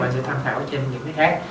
mình sẽ tham khảo trên những cái khác